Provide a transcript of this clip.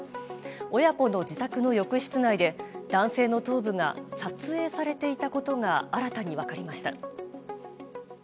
親子の自宅の浴室内で男性の頭部が撮影されていたことが新たに分かりました。